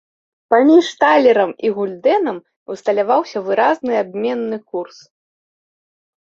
Паміж талерам і гульдэнам усталяваўся выразны абменны курс.